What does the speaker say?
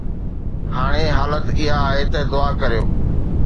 هاڻي حالت اها آهي ته دعا ڪريو